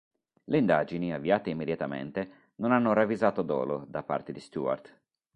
Le indagini, avviate immediatamente, non hanno ravvisato dolo da parte di Stewart.